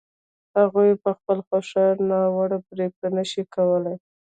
هغوی په خپله خوښه ناوړه پرېکړه نه شي کولای.